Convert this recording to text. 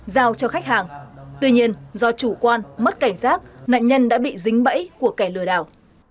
giao cho khách hàng tuy nhiên do chủ quan mất cảnh giác nạn nhân đã bị dính bẫy của kẻ lừa đảo